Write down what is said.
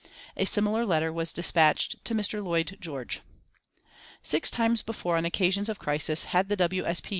A similar letter was despatched to Mr. Lloyd George. Six times before on occasions of crisis had the W. S. P.